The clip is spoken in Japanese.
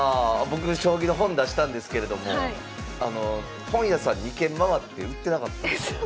僕将棋の本出したんですけれども本屋さん２軒回って売ってなかったんですよ。